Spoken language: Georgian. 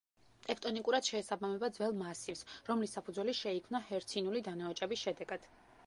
ტექტონიკურად შეესაბამება ძველ მასივს, რომლის საფუძველი შეიქმნა ჰერცინული დანაოჭების შედეგად.